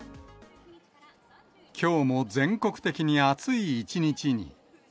きょうも全国的に暑い一日に。